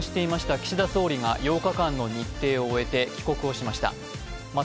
岸田総理が８日間の日程を終えて帰国をしました。